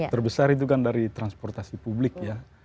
terbesar itu kan dari transportasi publik ya